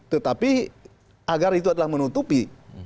tetapi agar itu adalah menutupi